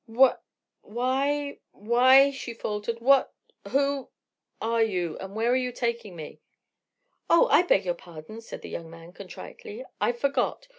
"Why—why—" she faltered—"what—who are you and where are you taking me?" "Oh, I beg your pardon!" said the young man, contritely. "I forgot.